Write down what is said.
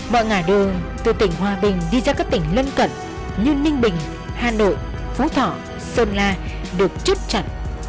mọi ngã đường từ tỉnh hòa bình đi ra các tỉnh lân cận như ninh bình hà nội phú thọ sơn la được chốt chặn